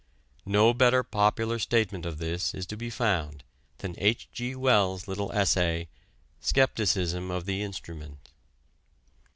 No better popular statement of this is to be found than H. G. Wells' little essay: "Skepticism of the Instrument."